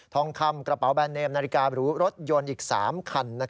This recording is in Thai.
ทองคำกระเป๋าแบรนเนมนาฬิการูรถยนต์อีก๓คัน